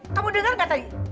kamu dengar nggak tadi